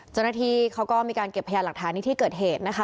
เจ้าหน้าที่เขาก็มีการเก็บพยานหลักฐานในที่เกิดเหตุนะคะ